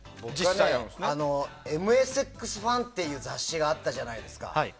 「ＭＳＸ・ＦＡＮ」という雑誌があったじゃないですか。